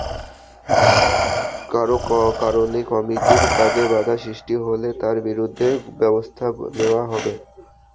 কারো কারণে কমিটির কাজে বাধা সৃষ্টি হলে তাঁর বিরুদ্ধে ব্যবস্থা নেওয়া হবে।